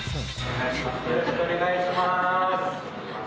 よろしくお願いします。